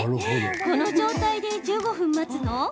この状態で１５分待つの？